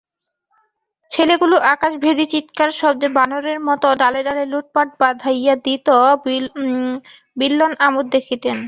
ছেলেগুলো আকাশভেদী চীৎকার-শব্দে বানরের মতো ডালে ডালে লুটপাট বাধাইয়া দিত–বিল্বন আমোদ দেখিতেন।